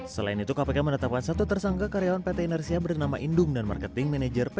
selain itu kpk menetapkan satu tersangka karyawan pt inersia bernama indung dan marketing manager pt